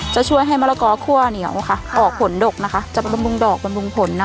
จะช่วยให้มะละกอคั่วเหนียวค่ะออกผลดกนะคะจะเป็นบำรุงดอกบำรุงผลนะคะ